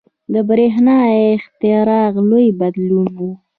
• د برېښنا اختراع لوی بدلون و.